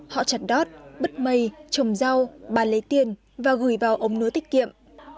họ chặt đót bứt mây trồng rau bàn lấy tiền và gửi vào ổng nứa tích kiệm